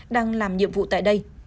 đang làm nhiệm vụ tại đây